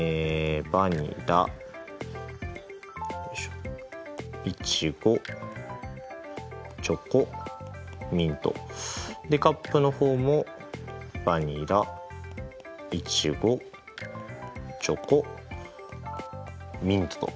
バニラいちごチョコミント。でカップの方もバニラいちごチョコミントと。